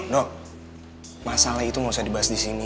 ndung masalah itu ga usah dibahas di sini